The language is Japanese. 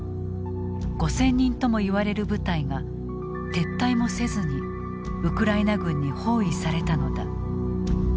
５，０００人ともいわれる部隊が撤退もせずにウクライナ軍に包囲されたのだ。